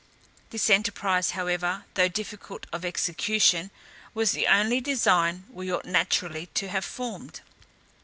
This enterprize however, though difficult of execution, was the only design we ought naturally to have formed.